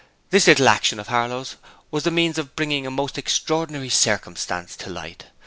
This little action of Harlow's was the means of bringing a most extraordinary circumstance to light.